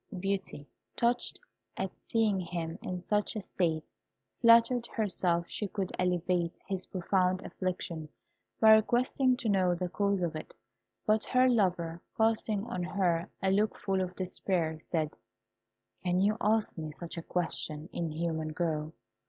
Beauty, touched at seeing him in such a state, flattered herself she could alleviate his profound affliction by requesting to know the cause of it; but her lover, casting on her a look full of despair, said, "Can you ask me such a question, inhuman girl?